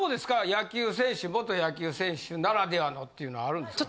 野球選手元野球選手ならではのっていうのあるんですか？